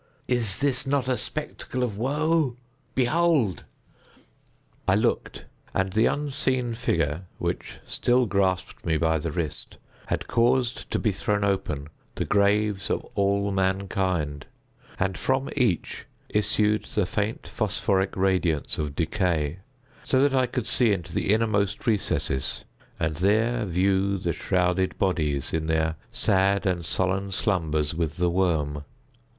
Is not this a spectacle of woe?—Behold!" I looked; and the unseen figure, which still grasped me by the wrist, had caused to be thrown open the graves of all mankind; and from each issued the faint phosphoric radiance of decay; so that I could see into the innermost recesses, and there view the shrouded bodies in their sad and solemn slumbers with the worm.